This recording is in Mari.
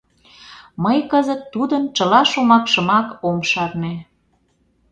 Мый кызыт тудын чыла шомакшымак ом шарне.